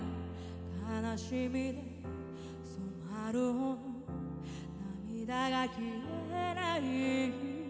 「悲しみで染まるほど」「涙が消えない日」